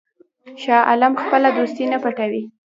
شاه عالم خپله دوستي نه پټوي.